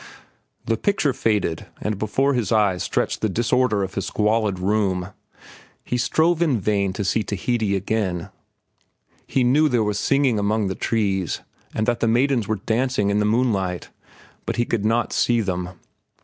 The picture faded, and before his eyes stretched the disorder of his squalid room. He strove in vain to see Tahiti again. He knew there was singing among the trees and that the maidens were dancing in the moonlight, but he could not see them.